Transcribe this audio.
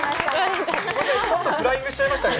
ちょっとフライングしちゃいましたね。